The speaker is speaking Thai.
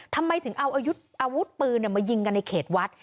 ทำไมถึงเอาอาวุธปืนมายิงกันในเขตวัด